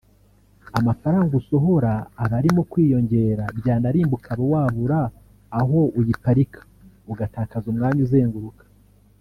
amafaranga usohora aba arimo kwiyongera byanarimba ukaba wabura aho uyiparika ugatakaza umwanya uzenguruka